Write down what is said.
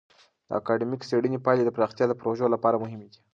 د اکادمیکې څیړنې پایلې د پراختیایي پروژو لپاره مهمې دي.